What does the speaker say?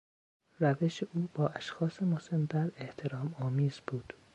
روش او با اشخاص مسنتر احترامآمیز بود.